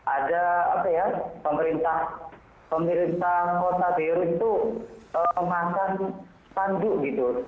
ada apa ya pemerintah kota beirut itu memakan spanduk gitu